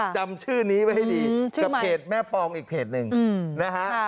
จำชื่อนี้ไว้ให้ดีกับเพจแม่ปองอีกเพจหนึ่งนะฮะ